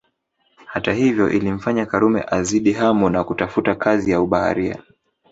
Hali hiyo ilimfanya Karume azidi hamu na kutafuta kazi ya ubaharia